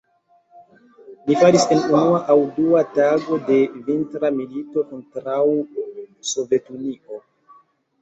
Li falis en unua aŭ dua tago de Vintra milito kontraŭ Sovetunio.